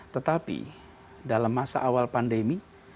tetapi dalam masa awal pandemi